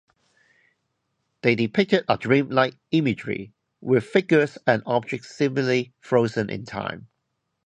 They depicted a dreamlike imagery, with figures and objects seemingly frozen in time.